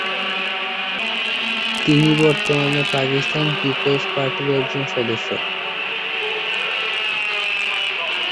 তিনি বর্তমানে পাকিস্তান পিপলস পার্টির একজন সদস্য।